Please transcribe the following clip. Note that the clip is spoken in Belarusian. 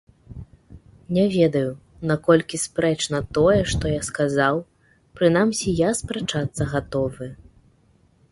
Не ведаю, наколькі спрэчна тое, што я сказаў, прынамсі, я спрачацца гатовы.